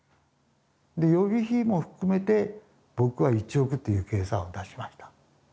で予備費も含めて僕は１億っていう計算を出しました。